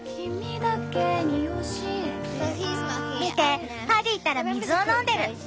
見てパディったら水を飲んでる。